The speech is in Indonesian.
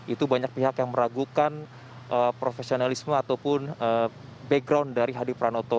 itu banyak pihak yang meragukan profesionalisme ataupun background dari hadi pranoto